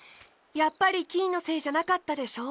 やっぱりキイのせいじゃなかったでしょ？